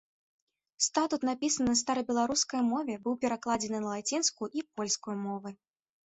Статут напісаны на старабеларускай мове, быў перакладзены на лацінскую і польскую мовы.